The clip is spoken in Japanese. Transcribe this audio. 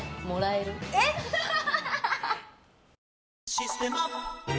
「システマ」